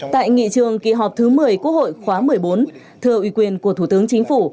tại nghị trường kỳ họp thứ một mươi quốc hội khóa một mươi bốn thừa ủy quyền của thủ tướng chính phủ